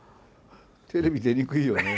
テレビ出にくいよね。